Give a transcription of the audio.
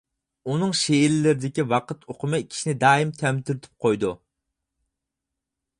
ئۇنىڭ شېئىرلىرىدىكى ۋاقىت ئۇقۇمى كىشىنى دائىم تەمتىرىتىپ قويىدۇ.